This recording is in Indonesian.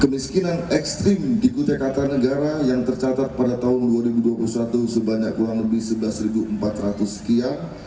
kemiskinan ekstrim di kutai kata negara yang tercatat pada tahun dua ribu dua puluh satu sebanyak kurang lebih sebelas empat ratus sekian